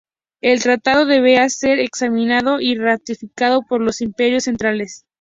El tratado debía ser examinado y ratificado por los Imperios Centrales.